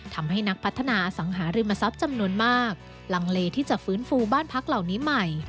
ทำให้นักพัฒนาอสังหาริมทรัพย์จำนวนมากลังเลที่จะฟื้นฟูบ้านพักเหล่านี้ใหม่